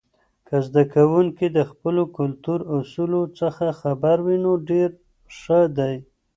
که زده کوونکي د خپلو کلتور اصولو څخه خبر وي، نو ډیر ښه دی.